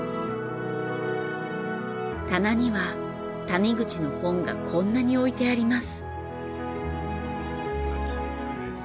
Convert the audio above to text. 棚には谷口の本がこんなに置いてあります。